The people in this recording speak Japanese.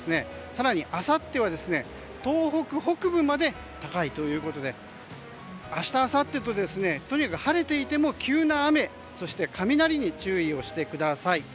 更にあさっては東北北部まで高いということで明日、あさってととにかく晴れていても急な雨や雷に注意をしてください。